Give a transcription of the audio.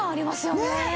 ねえ。